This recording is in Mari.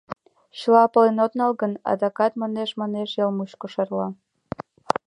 Чыла пален от нал гын, адакат манеш-манеш ял мучко шарла.